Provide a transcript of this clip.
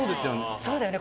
そうだよね。